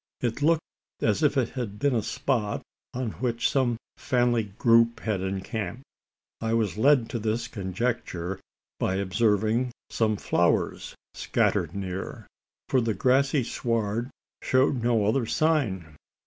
It looked as if it had been a spot on which some family group had encamped. I was led to this conjecture, by observing some flowers scattered near for the grassy sward showed no other sign.